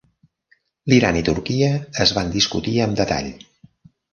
L'Iran i Turquia es van discutir amb detall.